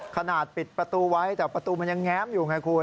ขนาดปิดประตูไว้แต่ประตูมันยังแง้มอยู่ไงคุณ